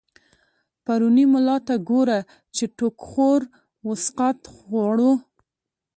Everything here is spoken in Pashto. پرو ني ملا ته ګوره، چی ټو ک خور و سقا ط خورو